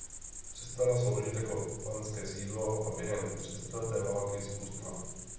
Přestala sloužit jako panské sídlo a během třicetileté války zpustla.